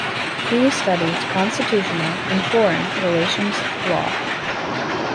He studies constitutional and foreign relations law.